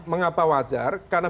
mengapa wajar karena